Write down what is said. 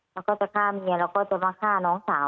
แล้วก็จะฆ่าเมียแล้วก็จะมาฆ่าน้องสาว